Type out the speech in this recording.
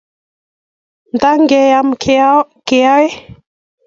Tangeamei keyaei.